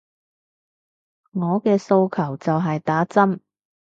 我嘅訴求就係打針